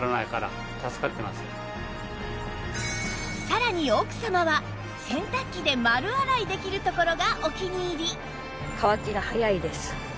さらに奥様は洗濯機で丸洗いできるところがお気に入り